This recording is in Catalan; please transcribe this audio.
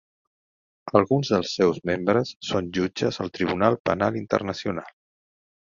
Alguns dels seus membres són jutges al Tribunal Penal Internacional.